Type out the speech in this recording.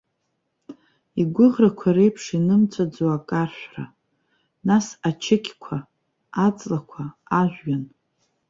Игәыӷрақәа реиԥш инымҵәаӡо акаршәра, нас ачықьқәа, аҵлақәа, ажәҩан.